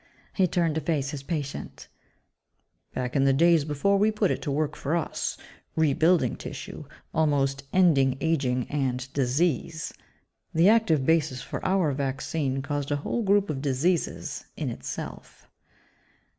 He turned to face his patient, "Back in the days before we put it to work for us rebuilding tissue, almost ending aging and disease the active basis for our vaccine caused a whole group of diseases, in itself."